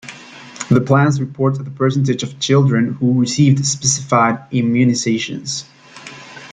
The plans report the percentage of children who received specified immunizations.